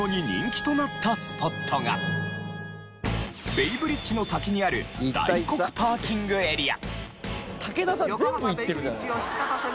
ベイブリッジの先にある大黒パーキングエリア。